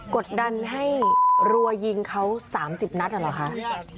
กดดันให้รัวยิงเขา๓๐นัดหรือเปล่าคะ